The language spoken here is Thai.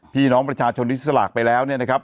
พี่น้องประชาชนที่สลากไปแล้วเนี่ยนะครับ